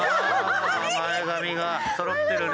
あ前髪がそろってるね。